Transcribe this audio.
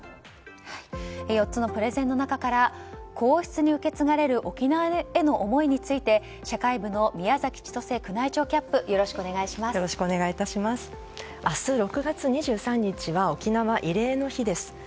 ４つのプレゼンの中から皇室に受け継がれる沖縄への思いについて社会部の宮崎千歳宮内庁キャップ明日６月２３日は沖縄慰霊の日です。